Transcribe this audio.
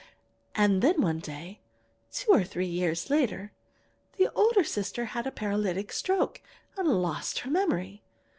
"And then one day, two or three years later, the older sister had a paralytic stroke and lost her memory.